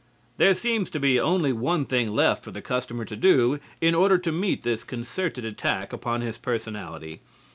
There seems to be only one thing left for the customer to do in order to meet this concerted attack upon his personality.